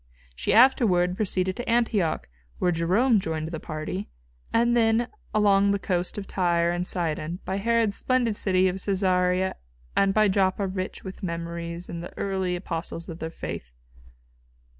She afterward proceeded to Antioch, where Jerome joined the party, and then along the coast of Tyre and Sidon, by Herod's splendid city of Cæsarea and by Joppa rich with memories of the early apostles of their faith.